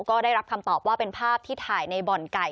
ก็ได้รับคำตอบว่าเป็นภาพที่ถ่ายในบ่อนไก่